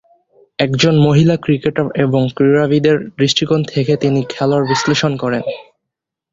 একজন মহিলা ক্রিকেটের এবং ক্রীড়াবিদের দৃষ্টিকোণ থেকে তিনি খেলার বিশ্লেষণ করেন।